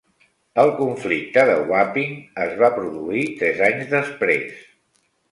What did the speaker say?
El conflicte de Wapping es va produir tres anys després.